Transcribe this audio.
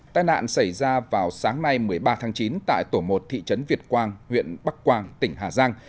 tai nạn xảy ra vào sáng nay một mươi ba tháng chín tại tổ một thị trấn việt quang huyện bắc quang tỉnh hà giang